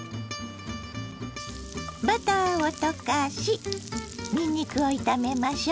バターを溶かしにんにくを炒めましょ。